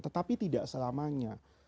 tetapi tidak selamanya